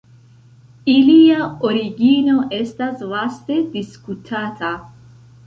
Ilia origino estas vaste diskutata.